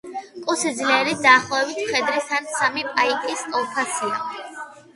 კუ სიძლიერით დაახლოებით მხედრის ან სამი პაიკის ტოლფასია.